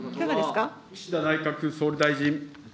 岸田内閣総理大臣。